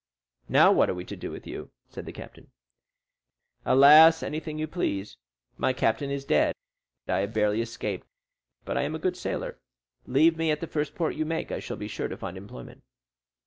"Now what are we to do with you?" said the captain. "Alas, anything you please. My captain is dead; I have barely escaped; but I am a good sailor. Leave me at the first port you make; I shall be sure to find employment."